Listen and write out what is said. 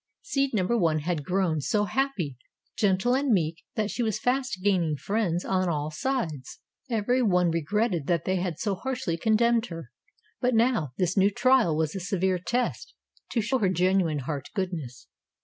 Seed number One had grown so happy, gentle and meek that she was fast gaining friends on all sides. Every one regretted that they had so harshly condemned her. But now this new trial was a severe test to her genuine heart goodness.